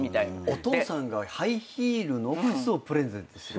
お父さんがハイヒールの靴をプレゼントしてくれたの？